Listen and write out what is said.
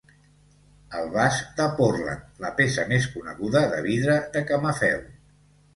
El vas de Portland, la peça més coneguda de vidre de camafeu.